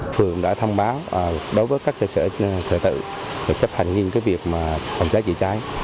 phường đã thông báo đối với các cơ sở thờ tự chấp hành những việc phòng cháy chảy cháy